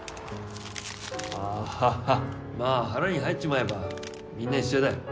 アハハまあ腹に入っちまえばみんな一緒だよ